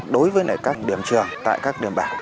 đối với các điểm trường tại các điểm bảng